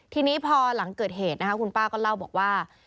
ทีนี้พอหลังเกิดเหตุนะคะคุณป้าก็เล่าบอกว่า